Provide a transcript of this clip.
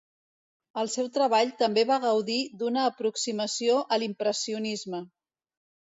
El seu treball també va gaudir d'una aproximació a l'impressionisme.